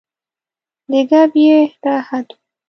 د ګپ یې دا حد و.